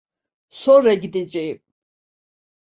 Sonra gideceğim.